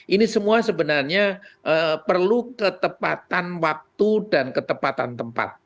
ini semua sebenarnya perlu ketepatan waktu dan ketepatan tempat